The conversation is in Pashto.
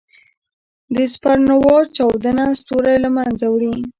د سپرنووا چاودنه ستوری له منځه وړي.